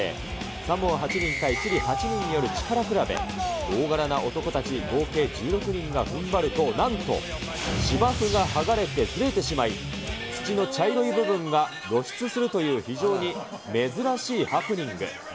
サモア８人対チリ８人による力比べ、大柄な男たち合計１６人がふんばると、なんと芝生が剥がれてずれてしまい、土の茶色い部分が露出するという非常に珍しいハプニング。